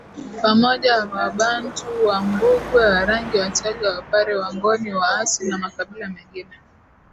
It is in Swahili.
pamoja wabantu Wambungwe Warangi Wachagga Wapare Wangoni Waasi na Makabila mengine